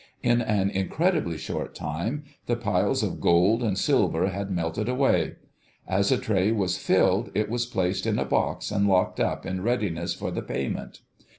In an incredibly short time the piles of gold and silver had melted away; as a tray was filled it was placed in a box and locked up in readiness for the payment.